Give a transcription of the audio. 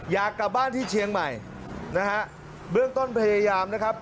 อยากกลับบ้านที่เชียงใหม่นะฮะเบื้องต้นพยายามนะครับ